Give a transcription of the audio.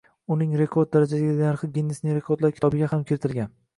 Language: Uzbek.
Uning rekord darajadagi narxi Ginnesning rekordlar kitobiga ham kiritilgan